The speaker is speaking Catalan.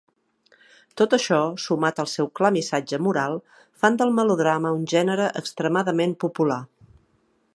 Tot això, sumat al seu clar missatge moral, fan del melodrama un gènere extremadament popular.